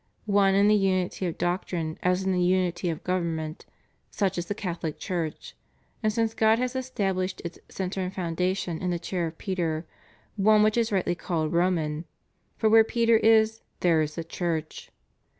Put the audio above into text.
One in the unity of doctrine as in the unity of government, such is the Catholic Church, and, since God has established its centre and foundation in the Chair of Peter, one which is rightly called Roman, for where Peter is there is the Church.